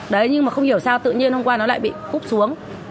đấy nhưng mà không hiểu sao tự nhiên hôm qua nó lại bị cúp xuống